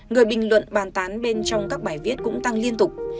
người bình luận bàn tán bên trong các bài viết cũng tăng liên tục